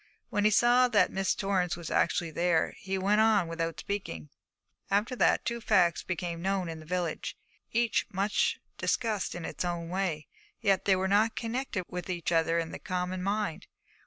When he saw that Miss Torrance was actually there, he went on without speaking. After that two facts became known in the village, each much discussed in its own way; yet they were not connected with each other in the common mind.